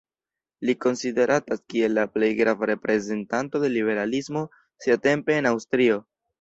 Li konsideratas kiel la plej grava reprezentanto de liberalismo siatempe en Aŭstrio.